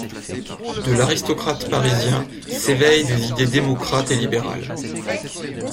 De l'aristocrate parisien s'éveillent des idées démocrates et libérales.